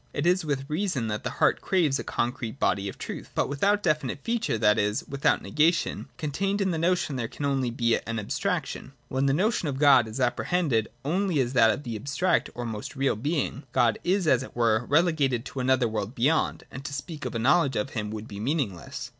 It is with reason that the heart craves a concrete body of truth ; but without definite feature, that is, without negation, contained in the notion, there can only be an abstraction. When the notion of God is apprehended only as that of the abstract or most real being, God is, as it were, relegated to another world beyond : and to speak of a knowledge of him Avould be meaningless.